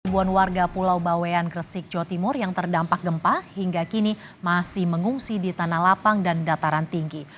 ribuan warga pulau bawean gresik jawa timur yang terdampak gempa hingga kini masih mengungsi di tanah lapang dan dataran tinggi